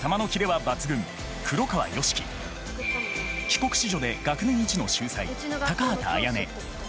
帰国子女で学年一の秀才高畑あやね。